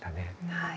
はい。